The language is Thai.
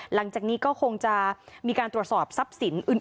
หลังจากนี้ก็คงจะมีการตรวจสอบทรัพย์สินอื่น